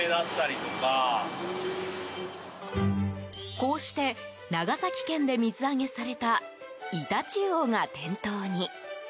こうして長崎県で水揚げされたイタチウオが店頭に。